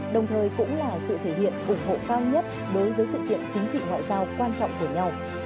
đồng thời cũng là sự thể hiện ủng hộ cao nhất đối với sự kiện chính trị ngoại giao quan trọng của nhau